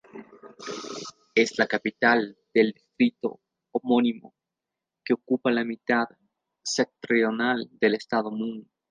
Es la capital del distrito homónimo, que ocupa la mitad septentrional del Estado Mon.